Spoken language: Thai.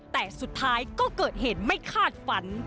แต่สุดท้ายก็เกิดเหตุไม่คาดฝัน